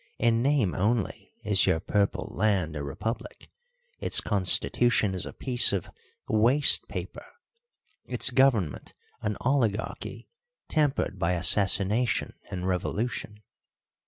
In name only is your Purple Land a republic; its constitution is a piece of waste paper, its government an oligarchy tempered by assassination and revolution."